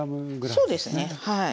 そうですねはい。